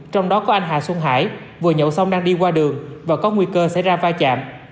trong đó có anh hà xuân hải vừa nhậu xong đang đi qua đường và có nguy cơ xảy ra va chạm